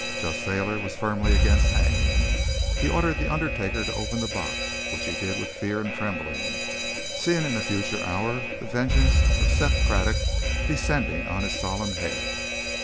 Judge Thayer was firmly against hanging. He ordered the undertaker to open the box, which he did with fear and trembling, seeing in a future hour the vengeance of Seth Craddock descending on his solemn head.